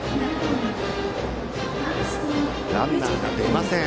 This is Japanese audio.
ランナーが出ません。